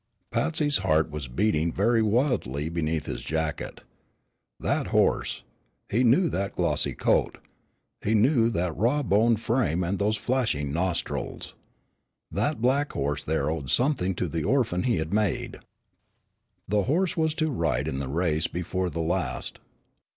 Patsy's heart was beating very wildly beneath his jacket. That horse. He knew that glossy coat. He knew that raw boned frame and those flashing nostrils. That black horse there owed something to the orphan he had made. The horse was to ride in the race before the last.